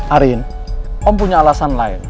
arin om punya alasan lain